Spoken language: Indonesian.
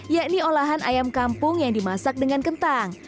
yakni olahan ayam kampung yang dimasak dengan kentang